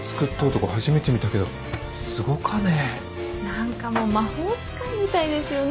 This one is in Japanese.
何かもう魔法使いみたいですよね。